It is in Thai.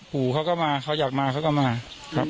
ปู่เขาก็มาเขาอยากมาเขาก็มาครับ